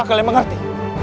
apa kalian mengerti